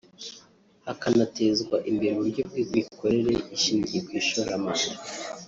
hakanatezwa imbere uburyo bw’imikorere ishingiye ku ishoramari